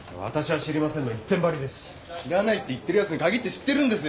知らないって言ってるやつに限って知ってるんですよ！